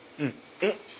えっ？